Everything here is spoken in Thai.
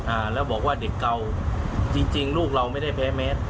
อ่าแล้วบอกว่าเด็กเก่าจริงจริงลูกเราไม่ได้แพ้แมส